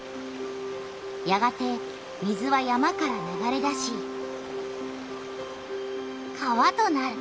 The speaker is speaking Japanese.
やがて水は山から流れ出し川となる。